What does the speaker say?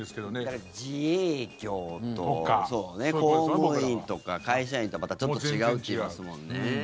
だから自営業とか、公務員とか会社員とまたちょっと違うって言いますもんね。